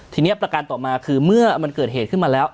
ทีนี้ประการต่อมาคือเมื่อมันเกิดเหตุขึ้นมาแล้ว